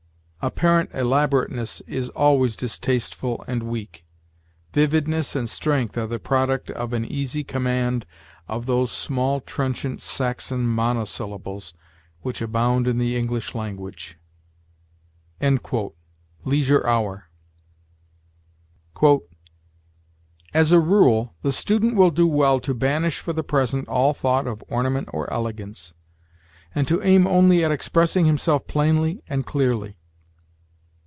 Apparent elaborateness is always distasteful and weak. Vividness and strength are the product of an easy command of those small trenchant Saxon monosyllables which abound in the English language." "Leisure Hour." "As a rule, the student will do well to banish for the present all thought of ornament or elegance, and to aim only at expressing himself plainly and clearly.